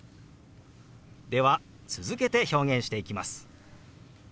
では続けて表現していきます。